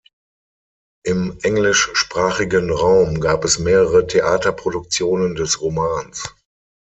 Im englischsprachigen Raum gab es mehrere Theaterproduktionen des Romans.